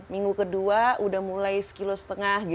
minggu kedua udah mulai sekilo setengah